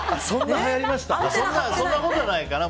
そんなことないかな。